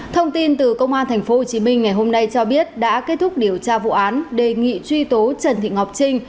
thông tin từ công an tp hcm ngày hôm nay cho biết đã kết thúc điều tra vụ án đề nghị truy tố trần thị ngọc trinh